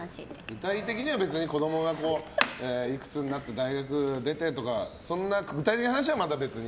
具体的には子供がいくつになって、大学出てとかそんな具体的な話はまだ別に？